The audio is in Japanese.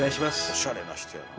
おしゃれな人やな。